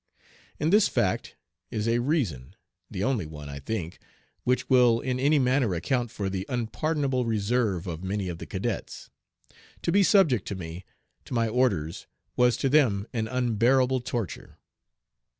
In this fact is a reason the only one, I think, which will in any manner account for the unpardonable reserve of many of the cadets. To be subject to me, to my orders, was to them an unbearable torture.